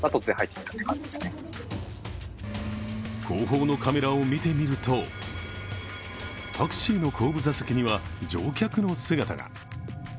後方のカメラを見てみるとタクシーの後部座席には、乗客の姿が。